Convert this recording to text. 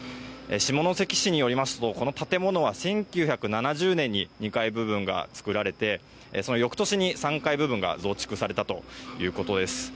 下関市によりますとこの建物は１９７０年に２階部分が作られてその翌年、３階部分が増築されたということです。